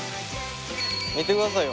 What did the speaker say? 見てくださいよ。